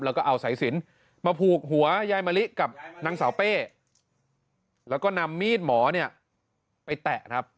แล้วก็เอาสายสินมาผูกหัวยายมะลิกับนางสาวเป้แล้วก็นำมีดหมอเนี่ยไปแตะครับ